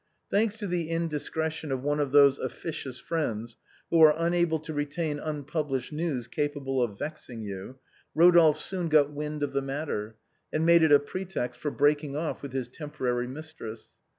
Thanks to the indiscretion of one of those officious friends who are unable to retain unpublished news capable of vexing you, Rodolphe soon got wind of the matter, and made it a pretext for breaking off with his temporary mis tress.